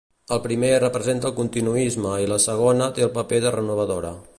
El primer representa el continuisme i la segona té el paper de renovadora.